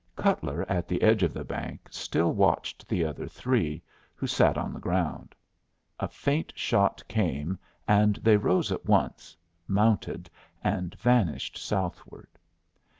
Cutler at the edge of the bank still watched the other three, who sat on the ground. A faint shot came, and they rose at once, mounted, and vanished southward.